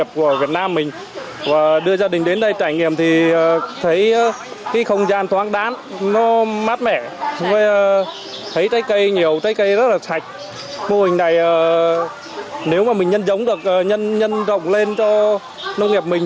mô hình này nếu mà mình nhân giống được nhân rộng lên cho nông nghiệp mình